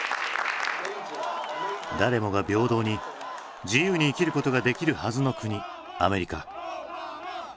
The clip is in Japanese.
誰もが平等に自由に生きることができるはずの国アメリカ。